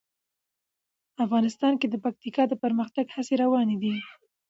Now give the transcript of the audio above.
افغانستان کې د پکتیکا د پرمختګ هڅې روانې دي.